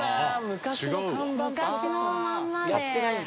昔のまんまで。